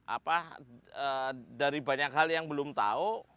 apa dari banyak hal yang belum tahu